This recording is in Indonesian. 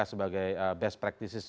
sebagai best practices